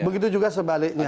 begitu juga sebaliknya